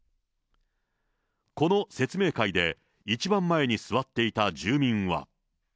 この説明会で、一番前に座っていた住民は。